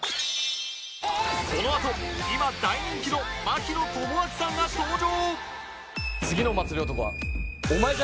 このあと今大人気の槙野智章さんが登場